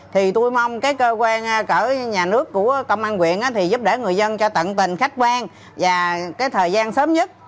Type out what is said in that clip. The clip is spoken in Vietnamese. thì tôi mong cơ quan nhà nước của công an quyện giúp đỡ người dân cho tận tình khách quan và thời gian sớm nhất